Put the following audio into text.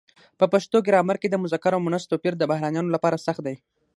په پښتو ګرامر کې د مذکر او مونث توپیر د بهرنیانو لپاره سخت دی.